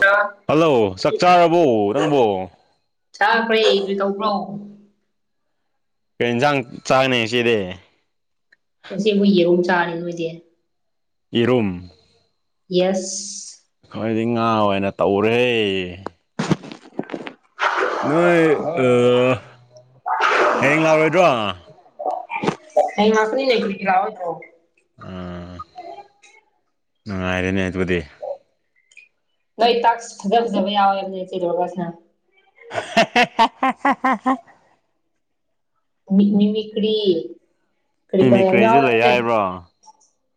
ꯆꯥꯈ꯭ꯔꯦ ꯍꯜꯂꯣ ꯆꯥꯛ ꯆꯥꯔꯕꯣ ꯅꯪꯕꯣ ꯆꯥꯄ꯭ꯔꯣ ꯑꯦꯒꯤ ꯇꯧꯕ꯭ꯔꯣ ꯀꯩ ꯏꯟꯁꯥꯡ ꯆꯥꯒꯅꯤ ꯉꯁꯤꯗꯤ ꯉꯁꯤ ꯑꯩꯈꯣꯏ ꯌꯦꯔꯨꯝ ꯆꯥꯔꯅꯤ ꯅꯣꯏꯗꯤ ꯌꯦꯔꯨꯝ ꯌꯦꯁ ꯑꯩꯈꯣꯏꯗꯤ ꯉꯥ ꯑꯣꯏꯅ ꯇꯧꯔꯦ ꯅꯣꯏ ꯑ ꯍꯌꯦꯡ ꯂꯥꯛꯔꯣꯏꯗ꯭ꯔꯣ ꯍꯌꯦ ꯂꯥꯛꯀꯅꯤꯅꯦ ꯀꯔꯤꯒꯤ ꯂꯥꯛꯑꯣꯏꯗ꯭ꯔꯣ ꯑꯝ ꯅꯨꯡꯉꯥꯏꯔꯦꯅꯦ ꯑꯗꯨꯗꯤ ꯅꯣꯏ ꯇꯥꯛꯁ ꯐꯖ ꯐꯖꯕ ꯌꯥꯎꯋꯦ ꯍꯥꯏꯕꯅꯦ ꯆꯦꯛꯂꯣꯕ꯭ꯔꯁꯅ ꯍꯦꯍꯦꯍꯦꯍꯦꯍꯦ ꯃꯤ ꯃꯤꯃꯤꯀ꯭ꯔꯤ ꯀꯩ ꯀꯩꯔ ꯌꯥꯝ ꯃꯤꯃꯤꯀ꯭ꯔꯤꯁꯨ ꯌꯥꯎꯋꯦ ꯂꯩ ꯍꯥꯝꯅꯦ ꯍꯥꯏꯕ꯭ꯔꯣ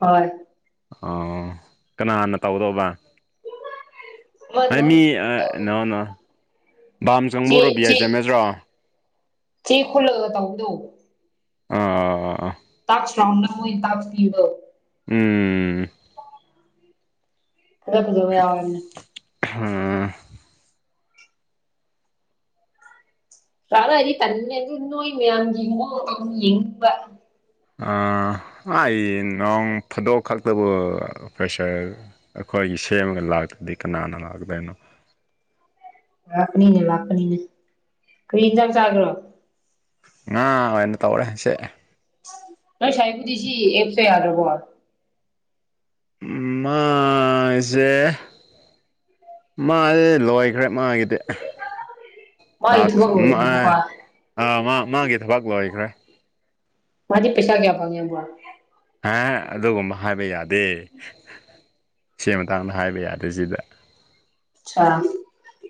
ꯍꯣꯏ ꯑꯣ ꯀꯅꯥꯅ ꯇꯧꯗꯧꯕ ꯑꯃ ꯍꯥꯏ ꯅꯍꯥꯟ ꯃꯤ ꯅꯣ ꯅꯣ ꯕꯥꯝ ꯆꯦ ꯆꯪꯕꯣꯔꯣ ꯕꯤ ꯆꯦ ꯑꯥꯏ ꯆꯃꯦꯠꯁꯔꯣ ꯆꯦ ꯈꯨꯜꯂꯒꯒ ꯇꯧꯕꯗꯨ ꯑꯥ ꯑꯥ ꯑꯥ ꯇꯥꯛꯁ ꯔꯥꯎꯟꯗ ꯃꯣꯏ ꯇꯥꯛꯁ ꯄꯤꯕꯗꯣ ꯎꯝ ꯃꯁꯛ ꯐꯖꯕ ꯌꯥꯎꯋꯦ ꯍꯥꯏꯝꯅꯦ ꯉꯍꯥꯛ ꯂꯩꯔꯗꯤ ꯇꯂꯤꯅꯦ ꯑꯗꯨ ꯅꯣꯏ ꯃꯌꯥꯝꯒꯤ ꯃꯑꯣꯡꯗꯣ ꯑꯃꯨꯛ ꯌꯦꯡꯅꯤꯡꯕ ꯑꯥ ꯑꯥꯏ ꯅꯣꯡ ꯐꯥꯗꯣꯛ ꯈꯛꯇꯕꯨ ꯄ꯭ꯔꯦꯁꯔ ꯑꯩꯈꯣꯏꯒꯤ ꯁꯦꯝꯃꯒ ꯂꯥꯛꯇꯗꯤ ꯀꯅꯥꯅ ꯂꯥꯛꯀꯗꯣꯏꯅꯣ ꯂꯥꯛꯀꯅꯤꯅꯦ ꯂꯥꯛꯀꯅꯤꯅꯦ ꯀꯔꯤ ꯍꯤꯟꯖꯥꯡ ꯆꯥꯒꯦꯔꯣ ꯉꯥ ꯑꯣꯏꯅ ꯇꯧꯔꯦꯁꯦ ꯅꯣꯏ ꯁꯥꯏꯕꯨꯗꯤ ꯁꯤ ꯑꯦꯐꯁꯦ ꯌꯥꯗ꯭ꯔꯕꯣ ꯎꯝ ꯃꯥꯏꯖꯦ ꯃꯥꯏꯖꯦ ꯂꯣꯏꯈ꯭ꯔꯦ ꯃꯥꯒꯤꯗꯤ ꯃꯥꯒꯤ ꯇꯥꯛꯁ ꯊꯕꯛ ꯑꯃ ꯂꯣꯏꯈ꯭ꯔꯕꯀꯣ ꯑꯤ ꯃꯥꯏ ꯃꯥꯒꯤ ꯊꯕꯛ ꯂꯣꯏꯈ꯭ꯔꯦ ꯃꯥꯗꯤ ꯄꯩꯁꯥ ꯀꯌꯥ ꯐꯪꯉꯦꯕ꯭ꯔꯣ ꯍꯥ ꯑꯗꯨꯒꯨꯝꯕ ꯍꯥꯏꯕ ꯌꯥꯗꯦ ꯁꯤ ꯃꯇꯥꯡꯗ ꯍꯥꯏꯕ ꯌꯥꯗꯦ ꯁꯤꯗ ꯑꯠꯆꯥ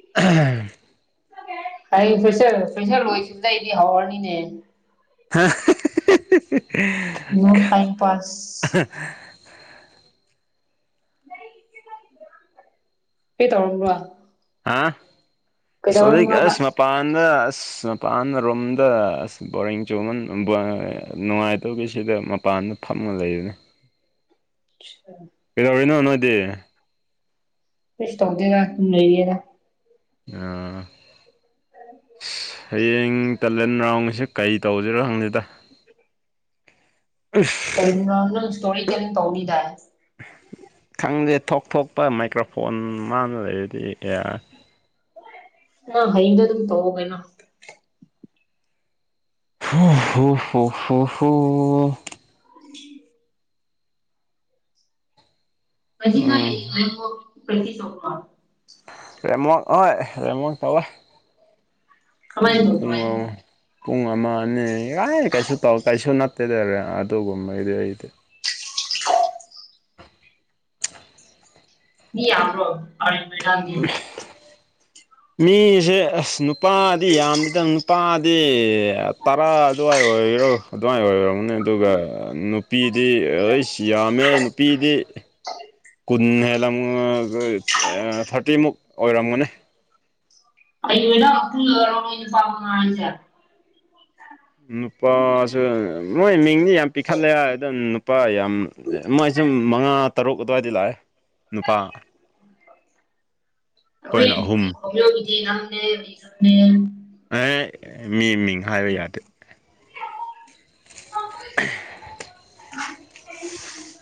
[unintelligible] ꯑꯩ ꯐꯦꯁꯔ ꯐꯦꯁꯦꯜ ꯂꯣꯏꯈꯤꯕꯗꯩꯗꯤ ꯍꯧꯔꯅꯤꯅꯦ ꯍꯥ ꯅꯣ ꯇꯥꯏꯝ ꯄꯥꯁ ꯀꯩ ꯇꯧꯔꯝꯕ꯭ꯔ ꯍꯥ ꯍꯧꯖꯤꯛ ꯀꯩꯗꯧꯔꯝꯕ꯭ꯔꯣꯕ ꯑꯁ ꯃꯄꯥꯟꯗ ꯑꯁ ꯄꯥꯟꯅ ꯔꯣꯝꯗ ꯑꯁ ꯕꯣꯔꯤꯡ ꯆꯣꯃꯟ ꯅꯨꯡꯉꯥꯏꯇꯧꯒꯤ ꯁꯤꯗ ꯃꯄꯥꯟꯗ ꯐꯃ ꯂꯩꯕꯅꯤ [unintelligible] ꯀꯩꯗꯧꯔꯤꯅꯣ ꯅꯣꯏꯗꯤ ꯀꯔꯤꯁꯨ ꯇꯧꯗꯦꯅ ꯁꯨꯝ ꯂꯩꯑꯦꯅ ꯎꯝ [unintelligible] ꯍꯌꯦꯡ ꯇꯦꯂꯦꯟ ꯔꯥꯎꯟꯒꯤꯁꯦ ꯀꯩ ꯇꯧꯁꯤꯔ ꯈꯪꯗꯦꯗ [unintelligible] ꯇꯔꯤꯟ ꯔꯥꯎꯟꯗꯣ ꯏꯁꯇꯣꯔꯤ ꯇꯦꯂꯤꯟ ꯇꯧꯅꯤꯗꯥꯏ ꯈꯪꯗꯦ ꯊꯣꯛ ꯊꯣꯛꯄ ꯃꯥꯏꯀ꯭ꯔꯐꯣꯟ ꯃꯥꯡꯗ ꯂꯩꯔꯗꯤ ꯌꯥꯔꯦ ꯅꯪ ꯍꯌꯦꯡꯗꯣ ꯑꯗꯨꯝ ꯇꯧꯑꯣ ꯀꯩꯅꯣ ꯍ ꯍꯣ ꯍꯣ ꯍꯣ ꯍꯣ [inaudible] ꯉꯦꯁꯤ ꯅꯣꯏ ꯎꯝ ꯔꯦꯃꯣ ꯄ꯭ꯔꯦꯛꯇꯤꯁ ꯇꯧꯕ꯭ꯔꯣ ꯔꯦꯝꯋꯥꯛ ꯍꯣꯏ ꯔꯦꯝꯋꯥꯛ ꯇꯧꯋꯦ ꯀꯃꯥꯏꯅ ꯑꯝ ꯇꯧꯕ꯭ꯔꯣ ꯄꯨꯡ ꯑꯃ ꯑꯅꯤ ꯌꯥꯥꯏ ꯀꯩꯁꯨ ꯇꯧ ꯀꯩꯁꯨ ꯅꯠꯇꯦꯗ ꯑꯗꯨꯒꯨꯝꯕꯩꯗꯤ ꯑꯩꯗꯤ [inaudible] ꯃꯤ ꯌꯥꯝꯕ꯭ꯔꯣ [unintelligible] ꯃꯤꯁꯦ ꯑꯁ ꯅꯨꯄꯥꯗꯤ ꯌꯥꯝꯗꯗꯅꯨꯄꯥꯗꯤ ꯑꯦ ꯇꯔꯥ ꯑꯗꯨꯋꯥꯏ ꯑꯣꯏꯔꯣ ꯑꯗ꯭ꯋꯥꯏ ꯑꯣꯏꯝꯒꯅꯤ ꯑꯗꯨꯒ ꯅꯨꯄꯤꯗꯤ ꯑꯩꯁ ꯌꯥꯝꯃꯦ ꯅꯨꯄꯤꯗꯤ [inaudible] ꯀꯨꯟ ꯍꯦꯜꯂꯝ ꯊꯥꯔꯇꯤꯃꯨꯛ ꯑꯣꯏꯔꯝꯒꯅꯤ [unintelligible] ꯅꯨꯄꯥꯁꯦ ꯃꯣꯏ ꯃꯤꯡꯗꯤ ꯌꯥꯝ ꯄꯤꯈꯠꯂꯦ ꯑꯗ ꯅꯨꯄꯥ ꯌꯥꯝ ꯃꯣꯏ ꯁꯨꯝ ꯃꯉꯥ ꯇꯔꯨꯛ ꯑꯗ꯭ꯋꯥꯏꯗꯤ ꯂꯥꯛꯑꯦ ꯅꯨꯄꯥ ꯑꯩꯈꯣꯏꯅ ꯑꯍꯨꯝ [unintelligible] ꯑꯦ ꯃꯤ ꯃꯤꯡ ꯍꯥꯏꯕ ꯌꯥꯗꯦ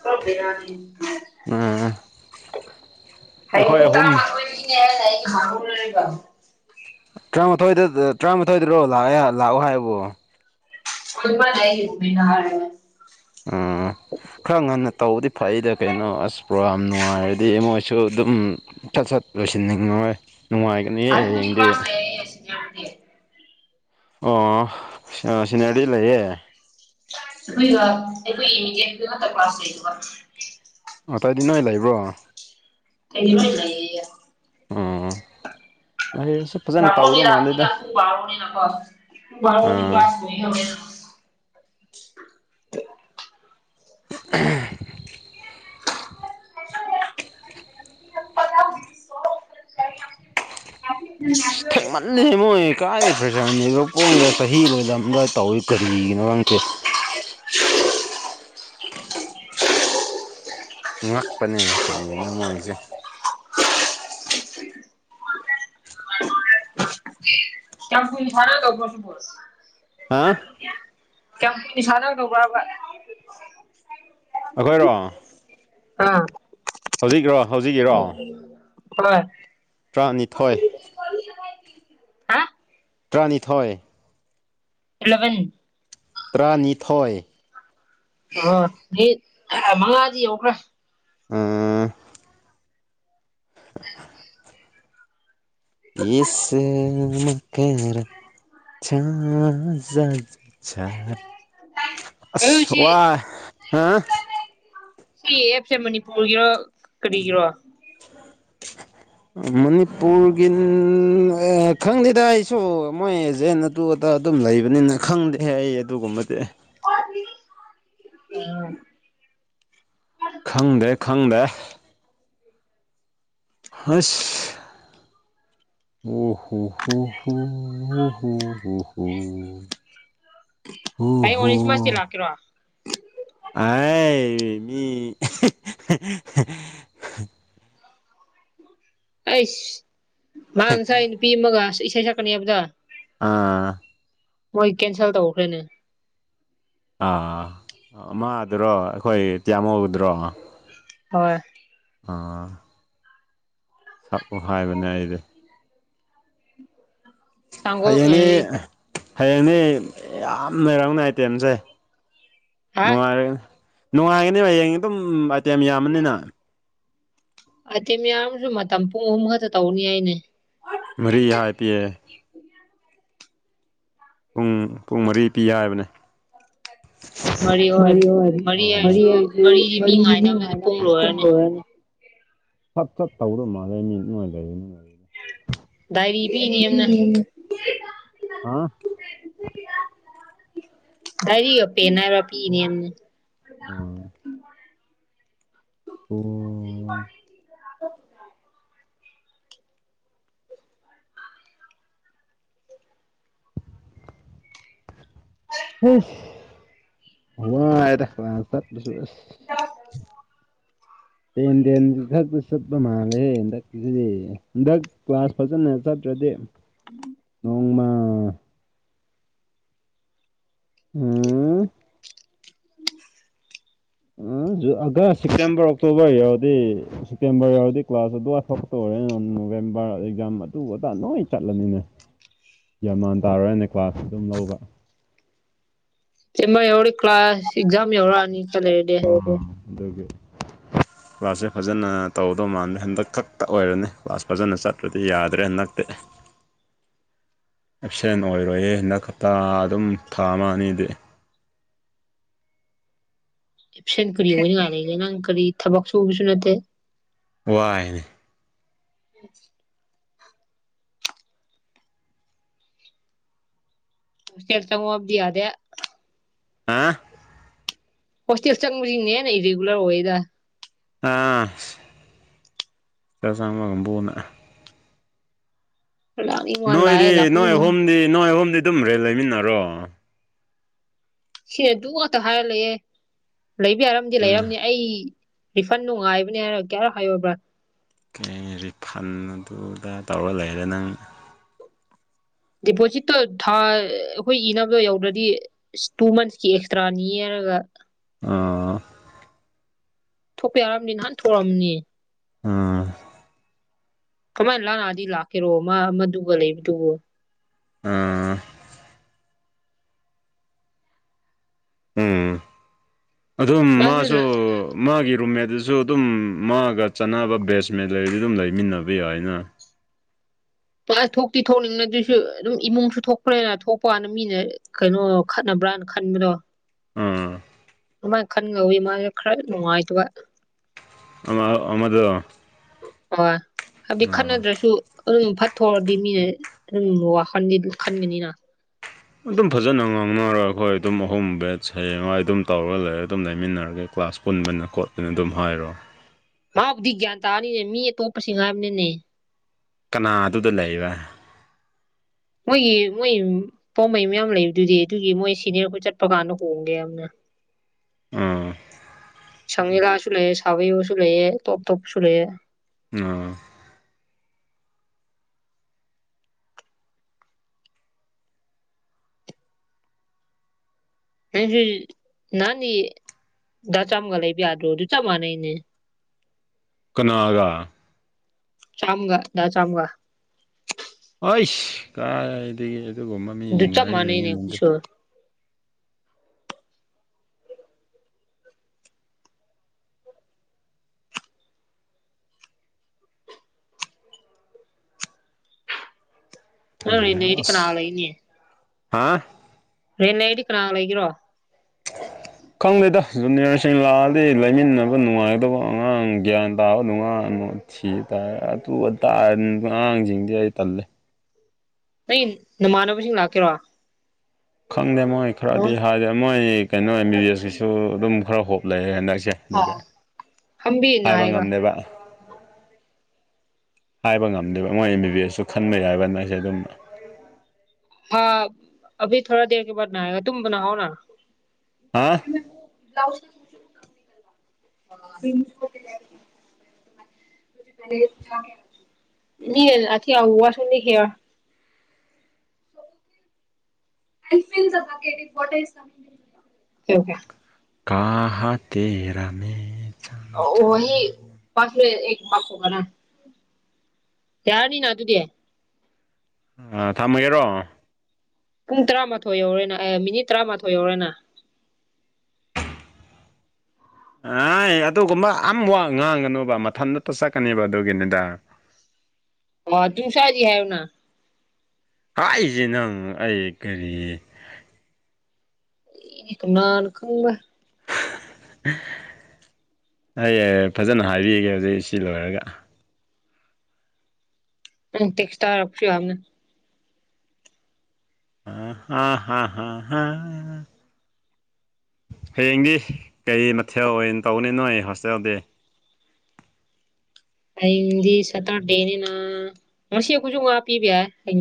[inaudible] ꯄꯨꯔꯥ ꯕꯦꯔꯥꯅꯤ ꯎꯝ ꯍꯌꯦꯡ ꯄꯨꯡ ꯇꯔꯥ ꯃꯊꯣꯏ ꯗꯒꯤꯅꯦ ꯍꯥꯏꯗꯥꯏꯅꯦ [unintelligible] ꯇꯔꯥꯃꯥꯊꯣꯏꯗ ꯇꯔꯥꯃꯥꯊꯣꯏꯗꯔꯣ ꯂꯥꯛꯑ ꯂꯥꯛꯑꯣ ꯍꯥꯏꯕꯣ [unintelligible] ꯑꯥ [inaudible] ꯈꯔ ꯉꯟꯅ ꯇꯧꯕꯗꯤ ꯐꯩꯗ ꯀꯩꯅꯣ ꯑꯁ ꯄ꯭ꯔꯣꯒꯥꯝ ꯅꯨꯡꯉꯥꯏꯔꯗꯤ ꯃꯣꯏꯁꯨ ꯑꯗꯨꯝ ꯁꯠ ꯁꯠ ꯂꯣꯏꯁꯤꯟꯅꯤꯡꯉꯔꯣꯏ ꯅꯨꯡꯉꯥꯏ [unintelligible] ꯑꯣ ꯁꯤꯅꯔꯤ ꯂꯩꯌꯦ ꯑꯩꯈꯣꯏꯒ ꯑꯩꯈꯣꯏ ꯏꯟꯗꯤꯌꯟ ꯗꯨ ꯈꯛꯇ ꯀ꯭ꯂꯥꯁ ꯂꯩꯕ ꯑꯇꯩꯗꯤ ꯅꯣꯏ ꯂꯩꯕ꯭ꯔꯣ ꯇꯩꯗꯤ ꯂꯣꯏ ꯂꯩꯔꯤꯌꯦ ꯑꯣ ꯂꯩꯔꯁꯨ ꯐꯖꯅ ꯇꯧꯗꯧ ꯃꯥꯟꯗꯦꯗ ꯑꯥ [unintelligible] [unintelligible] [unintelligible] [unintelligible] [unintelligible] ꯇꯜꯂꯤꯍꯦ ꯃꯣꯏ ꯀꯗꯥꯏ ꯄ꯭ꯔꯦꯁꯔꯅꯤꯕ ꯄꯣꯡꯗ ꯆꯍꯤ ꯂꯣꯏꯂꯝꯗꯥꯏ ꯇꯧꯏ ꯀꯔꯤꯒꯤꯅꯣ ꯈꯪꯇꯦ ꯉꯛꯄꯅꯦ ꯀꯔꯤꯒꯤꯅꯣ ꯃꯣꯏꯁꯦ [unintelligible] ꯍꯥ [unintelligible] ꯑꯩꯈꯣꯏꯔꯣ ꯑꯥ ꯍꯧꯖꯤꯛ꯭ꯔꯣ ꯍꯧꯖꯤꯛ [unintelligible] ꯇꯔꯥꯅꯤꯊꯣꯏ ꯍꯥ ꯇꯔꯥꯅꯤꯊꯣꯏ ꯑꯦꯂꯕꯦꯟ ꯇ꯭ꯔꯥꯅꯤꯊꯣꯏ ꯑꯣ ꯃꯤ ꯑ ꯃꯉꯥꯗꯤ ꯌꯧꯈ꯭ꯔꯦ ꯎꯝ [unintelligible] ꯑꯗꯨ ꯑꯁ ꯁꯤ ꯋꯥ ꯍꯥ ꯁꯤ ꯑꯦꯞꯁꯦ ꯃꯅꯤꯄꯨꯔꯒꯤꯔꯣ ꯀꯔꯤꯒꯤꯔꯣ [inaudible] ꯃꯅꯤꯄꯨꯔꯒꯤ ꯍꯥ ꯈꯪꯗꯦꯗ ꯑꯩꯁꯨ ꯃꯣꯏ ꯑꯦꯖꯦꯟꯅ ꯑꯗꯨ ꯑꯗꯥ ꯑꯗꯨꯝ ꯂꯩꯕꯅꯤꯅ ꯈꯪꯗꯦꯍꯦ ꯑꯩ ꯑꯗꯨꯒꯨꯝꯕꯗꯤ [unintelligible] ꯈꯪꯗ꯭ꯔꯦ ꯈꯪꯗꯦ ꯍꯁ ꯎ ꯍꯨ ꯍꯨ ꯍꯨ ꯎ ꯎ ꯍꯨ ꯍꯨ ꯎ ꯍꯌꯦꯡ ꯍꯨ ꯑꯣꯅꯤꯁꯃꯥꯁꯇꯤ ꯂꯥꯛꯀꯦꯔꯣ [unintelligible] ꯑꯩꯁ ꯃꯥ ꯉꯥꯁꯥꯏ ꯅꯨꯄꯤ ꯑꯃꯒ ꯏꯁꯩ ꯁꯛꯀꯅꯦꯕꯗꯣ ꯑꯥ ꯃꯣꯏ ꯀꯦꯟꯁꯦꯜ ꯇꯧꯈ꯭ꯔꯦꯅꯦ ꯑꯥ ꯃꯥꯗꯨꯔꯣ ꯑꯩꯈꯣꯏ ꯇꯤꯌꯥꯃꯨꯗ꯭ꯔꯣ ꯍꯣꯏ ꯑꯥ ꯁꯛꯑꯣ ꯍꯥꯏꯕꯅꯦ ꯑꯩꯗꯤ ꯁꯪꯒꯣ ꯍꯩꯌꯦꯡꯗꯤ ꯑꯦ ꯍꯌꯦꯡꯗꯤ ꯌꯥꯝ ꯂꯩꯔꯝꯒꯅꯤ ꯑꯥꯏꯇꯦꯝꯁꯦ ꯍꯥ ꯅꯨꯡꯉꯥꯏꯔꯅꯦ ꯅꯨꯡꯉꯥꯏꯒꯅꯤꯕ ꯍꯌꯦꯡꯗꯤ ꯑꯗꯨꯝ ꯑꯥꯏꯇꯦꯝ ꯌꯥꯝꯕꯅꯤꯅ ꯑꯥꯢꯇꯦꯝ ꯌꯥꯝꯁꯨ ꯃꯇꯝ ꯄꯨꯡ ꯑꯍꯨꯝ ꯈꯛꯇ ꯇꯧꯒꯥꯅꯤ ꯍꯥꯏꯅꯦ ꯃꯔꯤ ꯍꯥꯏ ꯄꯤꯌꯦ ꯄꯨꯡ ꯄꯨꯡ ꯃꯔꯤ ꯄꯤ ꯍꯥꯏꯕꯅꯦ ꯃꯔꯤ ꯑꯣꯏꯔꯤ ꯃꯔꯤ ꯑꯣꯏꯔꯁꯨ ꯃꯔꯤꯒꯤ ꯃꯤ ꯉꯥꯏꯅꯕꯗ ꯄꯨꯡ ꯂꯣꯏꯔꯅꯤ ꯁꯠ ꯆꯠ ꯇꯧꯒꯗꯧ ꯃꯥꯜꯂꯦ ꯃꯤ ꯅꯣꯏ ꯂꯩꯔꯥꯅꯤ ꯍꯥꯏꯌꯦ ꯗꯥꯏꯔꯤ ꯄꯤꯅꯦꯝꯅꯦ ꯍꯥ ꯗꯥꯏꯔꯤꯒ ꯄꯦꯟ ꯍꯥꯏꯕ꯭ꯔ ꯄꯤꯅꯦ ꯅꯦꯝꯅꯦ ꯎꯝ ꯄꯨꯡ [inaudible] ꯏꯁ ꯋꯥꯏꯗ ꯀ꯭ꯂꯥꯁ ꯆꯠꯄꯁꯨ ꯑꯁ [unintelligible] ꯇꯦꯟ ꯇꯦꯟ ꯗꯛꯗ ꯆꯠꯄ ꯃꯥꯜꯂꯦꯍꯦ ꯍꯟꯗꯛꯀꯤꯁꯤꯗꯤ ꯍꯟꯗꯛ ꯀ꯭ꯂꯥꯁ ꯐꯖꯅ ꯆꯠꯇ꯭ꯔꯗꯤ ꯅꯣꯡꯃ ꯎꯝ [inaudible] ꯑꯥ ꯖꯨ ꯑꯒꯁ ꯁꯦꯞꯇꯦꯝꯕꯔ ꯑꯣꯛꯇꯣꯕꯔ ꯌꯧꯔꯗꯤ ꯁꯦꯞꯇꯦꯝꯕꯔ ꯌꯧꯔꯗꯤ ꯀ꯭ꯂꯥꯁ ꯑꯗꯨꯋꯥꯢꯐꯥꯎ ꯗꯨ ꯑꯣꯢꯔꯒ ꯅꯣꯕꯦꯝꯕꯔ ꯑꯦꯛꯖꯥꯝ ꯑꯗꯨ ꯑꯗ ꯅꯣꯏ ꯆꯠꯂꯅꯤꯅꯦ ꯒ꯭ꯌꯥꯟ ꯃꯥꯟ ꯇꯥꯔꯣꯏꯅꯦ ꯀ꯭ꯂꯥꯁ ꯑꯗꯨꯝ ꯂꯧꯕ ꯗꯤꯁꯦꯝꯃꯔ ꯌꯧꯔꯗꯥ ꯀ꯭ꯂꯥꯁ ꯑꯦꯛꯖꯥꯝ ꯌꯧꯔꯛꯑꯅꯤ ꯈꯥ ꯂꯩꯔꯗꯤ ꯑꯣ ꯑꯗꯨꯒꯤ [inaudible] ꯀ꯭ꯂꯥꯁꯁꯦ ꯐꯖꯅ ꯇꯧꯗꯧ ꯃꯥꯟꯗꯦ ꯍꯟꯗꯛ ꯈꯛꯇ ꯑꯣꯏꯔꯅꯤ ꯀ꯭ꯂꯥꯁ ꯐꯖꯅ ꯆꯠꯇ꯭ꯔꯗꯤ ꯌꯥꯗ꯭ꯔꯦ ꯍꯟꯗꯛꯇꯤ [inaudible] ꯑꯦꯞꯁꯦꯟ ꯑꯣꯏꯔꯣꯏꯌꯦ ꯍꯟꯗꯛ ꯍꯞꯇꯥ ꯑꯗꯨꯝ ꯊꯥ ꯑꯃ ꯑꯅꯤꯗꯤ ꯑꯦꯞꯁꯦꯟ ꯀꯔꯤ ꯑꯣꯏꯅꯉꯥꯏ ꯂꯩꯒꯦ ꯅꯪ ꯀꯔꯤ ꯊꯕꯛ ꯁꯨꯕꯁꯨ ꯅꯠꯇꯦ ꯋꯥꯏꯅꯦ [inaudible] ꯍꯣꯁꯇꯦꯜ ꯆꯪꯉꯣ ꯍꯥꯢꯕꯗꯤ ꯌꯥꯗꯦ ꯍꯥꯥ ꯍꯣꯁꯇꯦꯜ ꯆꯪꯕꯁꯤꯅ ꯍꯦꯟꯅ ꯏꯔꯤꯒꯨꯂꯔ ꯑꯣꯌꯦꯗ ꯑꯥꯁ ꯍꯣꯁꯇꯦꯜ ꯆꯪꯕꯥ ꯀꯥꯡꯕꯨꯅ ꯂꯥꯛꯅꯤꯡꯉꯣ ꯂꯥꯛꯑꯦ ꯅꯣꯏꯗꯤ ꯅꯣꯏ ꯂꯥꯛꯅꯤꯡꯉꯣ ꯑꯍꯨꯝꯗꯤ ꯅꯣꯏ ꯑꯍꯨꯝꯗꯤ ꯑꯗꯨꯝ ꯔꯦꯟ ꯂꯩꯃꯤꯟꯅꯔꯣ ꯁꯤꯑꯦ ꯑꯗꯨ ꯉꯥꯛꯇ ꯍꯥꯏꯔ ꯂꯩꯑꯦ ꯂꯩꯕ ꯌꯥꯔꯝꯗꯤ ꯎꯝ ꯂꯩꯔꯝꯅꯤ ꯑꯩ ꯔꯤꯐꯟꯗꯣ ꯅꯨꯡꯉꯥꯏꯕꯅꯦ ꯍꯥꯏꯔ ꯀꯌꯥꯔꯛ ꯍꯥꯏꯌꯣꯕ꯭ꯔꯥ ꯀꯩ ꯔꯤꯐꯟ ꯑꯗꯨ ꯑꯥꯗꯥ ꯇꯧꯔ ꯂꯩꯔꯦ ꯅꯪ ꯗꯤꯄꯣꯖꯤꯠꯇꯣ ꯊꯥ ꯑꯩꯈꯣꯏ ꯏꯅꯕꯗꯣ ꯌꯧꯗ꯭ꯔꯗꯤ ꯏꯁ ꯇꯨ ꯃꯟꯁꯀꯤ ꯑꯦꯛꯁꯇ꯭ꯔꯥ ꯅꯤꯌꯦ ꯍꯥꯢꯔꯒ ꯑ ꯊꯣꯛꯄ ꯌꯥꯔꯝꯅꯤ ꯅꯍꯥꯟ ꯊꯣꯛꯔꯝꯅꯤ ꯑ ꯈꯨꯃꯟ ꯂꯥꯛꯌꯥꯔꯗꯤ ꯂꯥꯛꯀꯦꯔꯣ ꯃꯥ ꯑꯃꯗꯨꯒ ꯂꯩꯕꯗꯨꯕꯨ ꯑ ꯎꯝ ꯑꯗꯨꯝ ꯃꯥꯁꯨ ꯃꯥꯒꯤ ꯔꯨꯝꯃꯦꯠꯇꯨꯁꯨ ꯑꯗꯨꯝ ꯃꯥꯒ ꯆꯥꯟꯅꯕ ꯕꯦꯁꯃꯦꯠ ꯂꯩꯔꯗꯤ ꯑꯗꯨꯝ ꯂꯩꯃꯤꯟꯅꯕ ꯌꯥꯏꯅ ꯀ꯭ꯂꯥꯁ ꯊꯣꯛꯇꯤ ꯊꯣꯛꯅꯤꯡꯕꯅꯦ ꯑꯗꯨꯁꯨ ꯑꯗꯨꯝ ꯏꯃꯨꯡꯁꯨ ꯊꯣꯛꯄꯅꯤꯅ ꯊꯣꯛꯄꯋꯥꯅꯦ ꯃꯤꯅ ꯀꯩꯅꯣ ꯈꯠꯅꯕ꯭ꯔꯥꯅ ꯈꯟꯕꯗꯣ ꯎꯝ ꯑꯗꯨꯃꯥꯏꯅ ꯈꯟ ꯂꯧꯋꯤ ꯃꯥꯁꯦ ꯈꯔ ꯅꯨꯡꯉꯥꯏꯇꯕ ꯑꯃ ꯑꯃꯗꯨ ꯍꯣꯏ ꯍꯥꯏꯕꯗꯤ ꯈꯠꯅꯗ꯭ꯔꯁꯨ ꯑꯗꯨꯝ ꯐꯠꯊꯣꯛꯑꯗꯤ ꯃꯤꯅ ꯑꯗꯨꯝ ꯋꯥꯈꯜꯗꯤ ꯈꯟꯒꯅꯤꯅ ꯑꯗꯨꯝ ꯐꯖꯅ ꯉꯥꯡꯅꯔꯒ ꯍꯣꯏ ꯑꯗꯨꯝ ꯑꯍꯨꯝ ꯕꯦꯠꯁ ꯍꯌꯦꯡꯋꯥꯏ ꯑꯗꯨꯝ ꯇꯧꯔꯒ ꯂꯩꯔ ꯑꯗꯨꯝ ꯂꯩꯃꯤꯟꯅꯔꯒꯦ ꯀ꯭ꯂꯥꯁ ꯄꯨꯟꯕꯅꯤꯅ ꯈꯣꯠꯄꯅꯤꯅ ꯑꯗꯨꯝ ꯍꯥꯏꯔꯣ ꯃꯥꯕꯨꯗꯤ ꯒ꯭ꯌꯥꯟ ꯇꯥꯔꯅꯤꯅꯦ ꯃꯤ ꯑꯇꯣꯞꯄꯁꯤꯡ ꯍꯥꯏꯕꯅꯤꯅꯦ ꯀꯅꯥ ꯑꯗꯨꯗ ꯂꯩꯕ ꯃꯣꯏꯒꯤ ꯃꯣꯏ ꯄꯣꯝꯕꯩ ꯃꯌꯥꯝ ꯂꯩꯕꯗꯨꯗꯤ ꯑꯗꯨꯒꯤ ꯃꯣꯏ ꯁꯤꯅꯤꯌꯔ ꯈꯣꯏ ꯆꯠꯄ ꯀꯥꯟꯗ ꯍꯣꯡꯒꯦ ꯑꯝ ꯁꯪꯃꯤꯂꯥꯁꯨ ꯂꯩꯌꯦ ꯁꯥꯕꯤꯌꯨꯁꯨ ꯂꯩꯌꯦ ꯇꯣꯞ ꯇꯣꯞꯁꯨ ꯂꯩꯌꯦ [unintelligible] [unintelligible] [unintelligible] ꯗꯥ ꯆꯥꯝꯒ ꯂꯩꯕ ꯌꯥꯗꯔꯣ ꯑꯗꯨ ꯆꯞ ꯃꯥꯟꯅꯩꯅꯦ ꯀꯅꯥꯒꯥ ꯆꯥꯝꯒ ꯗꯥ ꯆꯥꯝꯒ ꯑꯥꯏꯁ ꯀꯥꯏꯗꯒꯤ ꯑꯗꯨꯒꯨꯝꯕ ꯑꯗꯨ ꯃꯤꯁꯤꯡꯒ ꯆꯞ ꯑꯩ ꯃꯥꯟꯅꯩꯅꯦ ꯂꯩꯃꯤꯟꯅꯗꯦ ꯑꯩꯈꯣꯏꯁꯨ ꯅꯪ ꯔꯦꯟ ꯂꯩꯔꯗꯤ ꯑꯁ ꯀꯅꯥ ꯍꯥ ꯔꯦꯅꯦꯗꯤ ꯀꯅꯥꯒ ꯂꯩꯒꯦꯔꯣ ꯈꯪꯗꯦꯗ ꯖꯨꯅꯤꯌꯔꯁꯤꯡ ꯂꯥꯛꯑꯗꯤ ꯂꯩꯃꯤꯟꯅꯕ ꯅꯨꯡꯉꯥꯏꯗꯧꯕ ꯑꯉꯥꯡ ꯒ꯭ꯌꯥꯟ ꯇꯥꯕ ꯅꯨꯡꯉꯥꯟꯅꯣ ꯊꯤ ꯇꯥꯔꯦ ꯑꯗꯨ ꯑꯗꯥ [unintelligible] ꯑꯉꯥꯡꯁꯤꯡꯗꯤ ꯑꯩ ꯇꯜꯂꯦ [unintelligible] ꯅꯃꯥꯟꯅꯕꯁꯤꯡ ꯂꯥꯛꯀꯦꯔꯣ ꯈꯪꯗꯦ ꯃꯣꯏ ꯈꯔꯗꯤ ꯍꯥꯏꯔꯦ ꯃꯣꯏ ꯀꯩꯅꯣ ꯑꯦꯝ ꯕꯤ ꯕꯤ ꯑꯦꯁꯀꯤꯁꯨ ꯑꯗꯨꯝ ꯈꯔ ꯍꯣꯞ ꯂꯛꯑꯦ ꯍꯟꯗꯛꯁꯦ ꯑꯗꯨꯒ ꯑꯣ ꯍꯝ ꯕꯤ ꯍꯥꯏꯕ ꯅꯍꯥꯏꯒ ꯉꯝꯗꯦ ꯕ ꯍꯥꯏꯕ ꯉꯝꯗꯦꯕ ꯃꯣꯏ ꯑꯦꯝ ꯕꯤ ꯕꯤ ꯑꯦꯁꯁꯨ ꯈꯟꯕ ꯌꯥꯏꯕ ꯅ ꯑꯩꯁꯦ ꯑꯗꯨꯝ [inaudible] [unintelligible] ꯑꯥ [unintelligible] [unintelligible] ꯑꯩ ꯆꯤꯡ ꯆꯠꯂꯨꯒꯦ [unintelligible] ꯀꯍꯥ ꯍꯥ ꯇꯦꯔꯥ ꯃꯦꯔꯥ ꯋꯍꯤ ꯄꯥꯁ ꯃꯦ ꯑꯦꯛ ꯄꯥꯡꯈꯣꯛ ꯃꯅꯥ ꯌꯥꯔꯅꯤꯅ ꯑꯗꯨꯨꯗꯤ ꯑ ꯊꯝꯃꯒꯦꯔꯣ ꯄꯨꯡ ꯇꯔꯥꯃꯥꯊꯣꯏ ꯌꯧꯔꯦꯅ ꯑ ꯃꯤꯅꯤꯠ ꯇꯔꯥꯃꯥꯊꯣꯏ ꯌꯧꯔꯦꯅ ꯍꯥꯏ ꯑꯗꯨꯒꯨꯝꯕ ꯑꯝ ꯋꯥꯉꯥꯡꯒꯅꯣꯕ ꯃꯊꯟꯅꯇ ꯆꯠꯀꯅꯤꯕ ꯑꯗꯨꯒꯤꯗꯨꯗ ꯑꯣ ꯇꯨꯡꯁꯥꯏꯗꯤ ꯍꯥꯏꯑꯣꯅ ꯍꯥꯏꯖꯦ ꯅꯪ ꯑꯩ ꯀꯔꯤ [unintelligible] ꯀꯅꯥꯅ ꯈꯪꯕ [unintelligible] ꯑꯩ ꯐꯖꯅ ꯍꯥꯏꯕꯤꯒꯦ ꯍꯧꯖꯤꯛ ꯁꯤ ꯂꯣꯏꯔꯒ ꯎꯝ ꯇꯦꯛꯁ ꯇ ꯍꯥꯢꯔꯛꯄꯁꯨ ꯌꯥꯕꯅꯦ [unintelligible] ꯍꯌꯦꯡꯗꯤ ꯀꯩ ꯃꯊꯦꯜ ꯑꯣꯏꯅ ꯇꯧꯅꯤ ꯅꯣꯏ ꯍꯣꯁꯇꯦꯜꯗꯤ ꯍꯌꯦꯡꯗꯤ ꯁꯇꯔꯗꯦꯅꯤꯅ ꯉꯁꯤ ꯈꯣꯏꯁꯨ ꯉꯥ ꯄꯤꯕ ꯌꯥꯏ